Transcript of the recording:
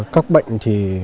các bệnh thì